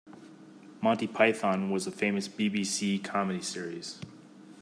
Monty Python was a famous B B C comedy series